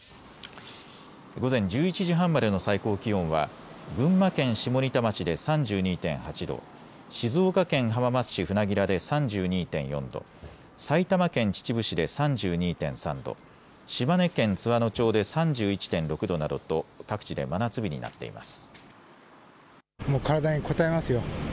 午前１１時半までの最高気温は群馬県下仁田町で３２．８度、静岡県浜松市船明で３２．４度、埼玉県秩父市で３２．３度、島根県津和野町で３１．６度などと各地で真夏日になっています。